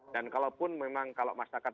kalaupun memang kalau masyarakat